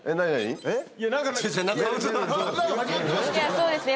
そうですね